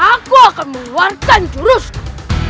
aku akan mengeluarkan jurusku